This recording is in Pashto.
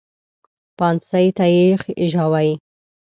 پانسۍ ته یې خېژاوې.